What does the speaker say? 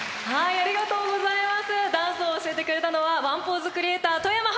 ありがとうございます。